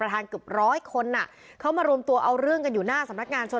ทางเกือบร้อยคนอ่ะเขามารวมตัวเอาเรื่องกันอยู่หน้าสำนักงานชน